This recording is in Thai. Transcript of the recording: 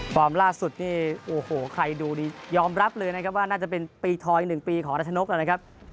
ล่าสุดนี่โอ้โหใครดูนี่ยอมรับเลยนะครับว่าน่าจะเป็นปีทอย๑ปีของรัชนกนะครับ